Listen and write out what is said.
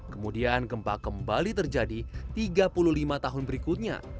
kemudian gempa kembali terjadi tiga puluh lima tahun berikutnya